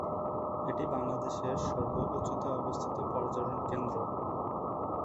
এটি বাংলাদেশের সর্ব উঁচুতে অবস্থিত পর্যটন কেন্দ্র।